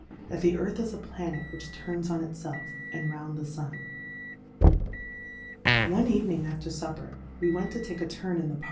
That tide Earth is a Planet which turns on it felfy and round the Sun. N E Eveniiig after Supper, we went to take a turn in the =.